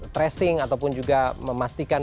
tracing ataupun juga memastikan